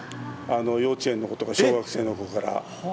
幼稚園の子とか、小学生の子から。